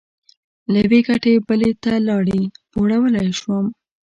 له یوې ګټې بلې ته لاړې؛ پوروړی شوم.